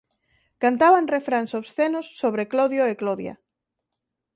Cantaban refráns obscenos sobre Clodio e Clodia.